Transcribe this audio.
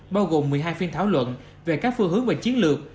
bao gồm một mươi hai phiên thảo luận về các phương hướng và chiến lược